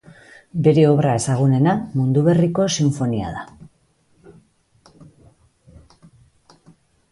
Bere obra ezagunena Mundu Berriko Sinfonia da.